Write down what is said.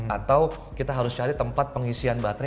atau kita harus cari tempat pengisian baterai